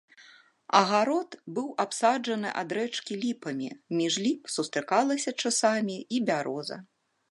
Агарод быў абсаджаны ад рэчкі ліпамі, між ліп сустракалася часамі і бяроза.